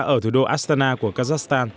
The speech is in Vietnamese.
ở thủ đô astana của kazakhstan